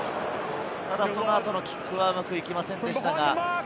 その後のキックはうまくいきませんでした。